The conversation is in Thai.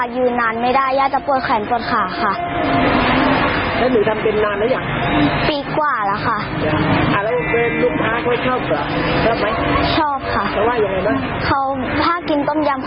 ยืนนานไม่ได้ย่าจะปวดแขนปวดขาค่ะ